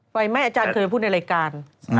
ไหว้ไหม้อาจารย์เคยพูดในรายการ